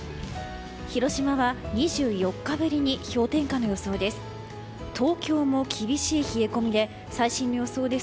広島は２４日ぶりに氷点下の予想です。